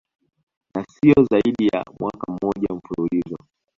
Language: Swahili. na siyo zaidi ya mwaka mmoja mfululizo